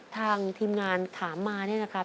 ทางทีมงานถามมาเนี่ยนะครับ